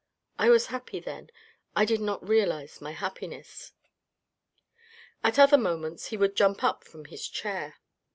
I was happy then. .. I did not realise my happiness." At other moments he would jump up from his chair.